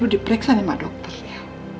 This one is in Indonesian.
lu diperiksa sama dokter ya